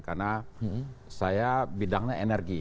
karena saya bidangnya energi